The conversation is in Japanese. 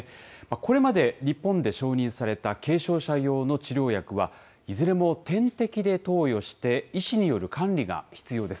これまで日本で承認された軽症者用の治療薬は、いずれも点滴で投与して、医師による管理が必要です。